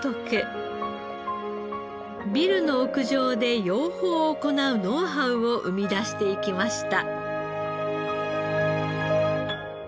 ビルの屋上で養蜂を行うノウハウを生み出していきました。